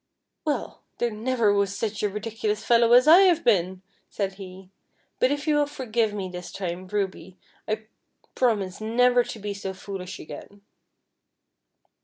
" Well, there never was such a ridiculous fellow as I have been," said he ;" but if you will forgive me this time. Ruby, I promise never to be so foolish again."